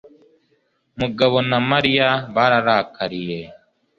Mugabo na Mariya bararakariye.